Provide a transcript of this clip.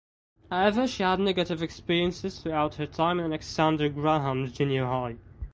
However she had negative experiences throughout her time in Alexander Graham Junior High.